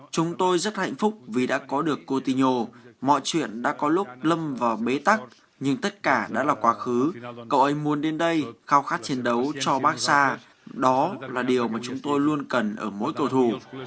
chúng tôi rất hạnh phúc vì đã có được cô tino mọi chuyện đã có lúc lâm vào bế tắc nhưng tất cả đã là quá khứ cậu ấy muốn đến đây khao khát chiến đấu cho baxa đó là điều mà chúng tôi luôn cần ở mỗi cầu thủ